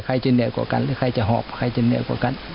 ใครจะเหนียวกว่ากันใครจะหอบใครจะเหนียวกว่ากัน